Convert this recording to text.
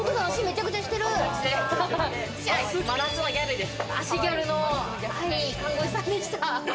足は真夏のギャルです。